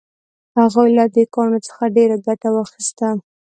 هغوی له دې کاڼو څخه ډیره ګټه واخیسته.